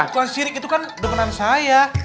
tukang sirik itu kan depenan saya